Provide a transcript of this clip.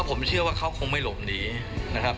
ข้อคงเชื่อว่าเค้าไม่หลบหนีนะครับ